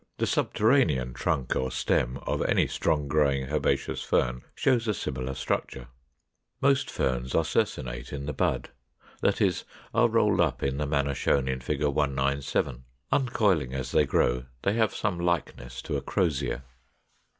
The subterranean trunk or stem of any strong growing herbaceous Fern shows a similar structure. Most Ferns are circinate in the bud; that is, are rolled up in the manner shown in Fig. 197. Uncoiling as they grow, they have some likeness to a crosier.